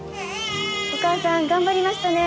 お母さん頑張りましたね。